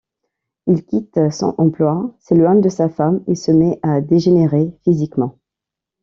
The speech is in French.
Il quitte son emploi, s’éloigne de sa femme et se met à dégénérer physiquement.